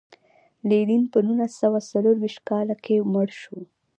لینین په نولس سوه څلور ویشت کال کې مړ شو.